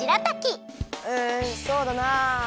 うんそうだな。